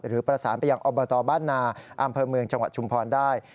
หรือประสานไปยังอบตบ้านนาอำเภอเมืองจังหวัดชุมพรได้